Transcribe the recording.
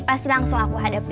pasti langsung aku hadapi